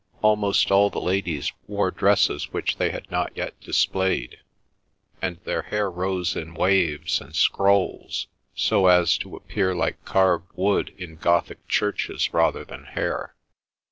Almost all the ladies wore dresses which they had not yet displayed, and their hair rose in waves and scrolls so as to appear like carved wood in Gothic churches rather than hair.